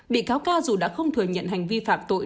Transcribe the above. bị cáo ca dù đã không thừa nhận hành vi phạm tội